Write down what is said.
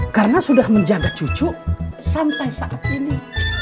karena sudah menjaga cucu sampai saat ini